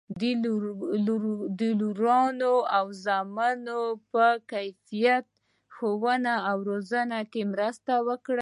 د لوڼو او زامنو په باکیفیته ښوونه او روزنه کې مرسته وکړي.